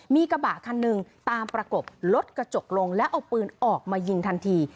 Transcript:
มีกระบะคันหนึ่งตามประกบรถกระจกลงแล้วเอาปืนออกมายิงทันที